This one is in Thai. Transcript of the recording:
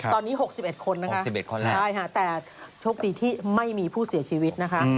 ตอนนี้๖๑คนนะฮะแต่โชคดีที่ไม่มีผู้เสียชีวิตนะคะ